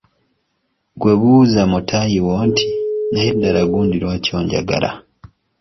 Ggwe buuza mutaayi wo nti, “ Naye ddala gundi lwaki onjagala ?